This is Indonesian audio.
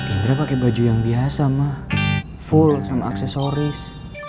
indra pakai baju yang biasa mah full sama aksesoris